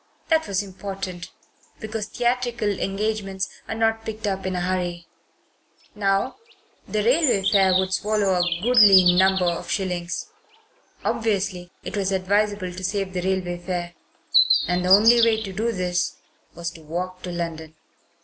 That was important, because theatrical engagements are not picked up in a hurry. Now; the railway fare would swallow a goodly number of shillings. Obviously it was advisable to save the railway fare; and the only way to do this was to walk to London.